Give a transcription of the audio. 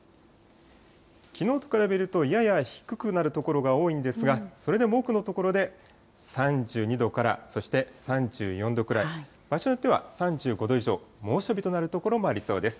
きのうと比べるとやや低くなる所が多いんですが、それでも多くの所で３２度から、そして３４度くらい、場所によっては３５度以上、猛暑日となる所もありそうです。